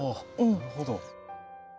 なるほど。